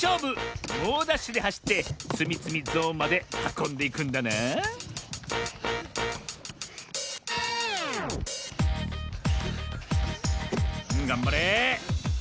もうダッシュではしってつみつみゾーンまではこんでいくんだながんばれ。